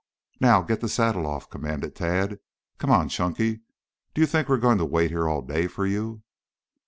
"Now get that saddle off," commanded Tad. "Come, Chunky! Do you think we are going to wait here all day for you?"